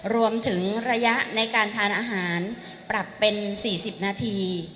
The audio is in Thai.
รวมถึงระยะในการทานอาหารปรับเป็น๔๐นาที